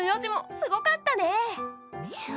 すごかったね。